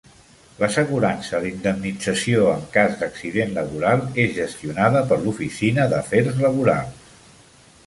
L'assegurança d'indemnització en cas d'accident laboral és gestionada per l'Oficina d'Afers Laborals.